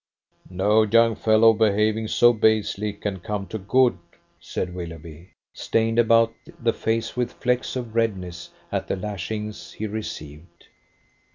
"No young fellow behaving so basely can come to good," said Willoughby, stained about the face with flecks of redness at the lashings he received.